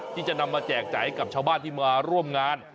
ที่จะนำมาแจกจ่ายให้กับชาวบ้านที่มาร่วมงาน